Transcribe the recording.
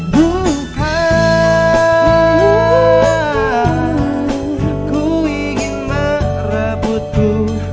bukan ku ingin merebutku